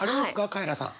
カエラさん。